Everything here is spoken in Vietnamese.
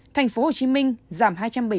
thành phố hồ chí minh giảm hai trăm bảy mươi